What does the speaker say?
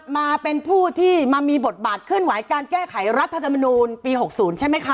มาเป็นผู้ที่มามีบทบาทเคลื่อนไหวการแก้ไขรัฐธรรมนูลปี๖๐ใช่ไหมคะ